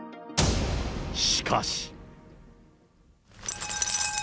しかし。